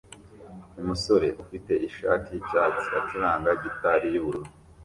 Umusore ufite ishati yicyatsi acuranga gitari yubururu